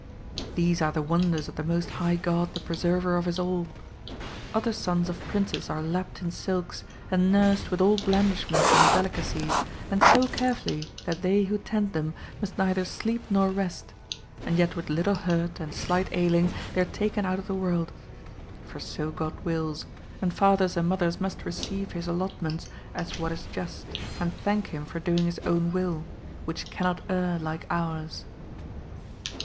These are the wonders of the Most High God the preserver of us all ! other sons of princes are lapt in silks, and nursed With all blandish ments and delicacies, and so carefully that they who tend them must neither sleep nor rest, and yet with little hurt and slight ailing they are taken out of the world ; for so God wills, and fathers and mothers must receive his allotments as what is just, and thank him for doing his own will, which cannot err like ours.